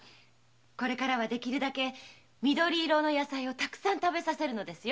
これからは緑色の野菜たくさん食べさせるのですよ。